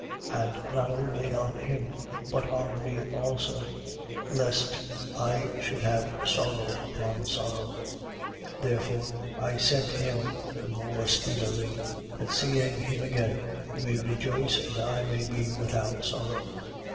And not only on him, but on me also, lest I should have sorrow upon sorrow. 2:28. Therefore, I sent him the more speedily: that seeing him again, you may rejoice, and I may be without sorrow.